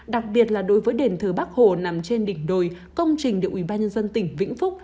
đặc biệt là đối với đền thờ bắc hồ nằm trên đỉnh đồi công trình được ubnd tỉnh vĩnh phúc